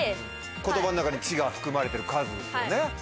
言葉の中に「ち」が含まれてる数っていうね。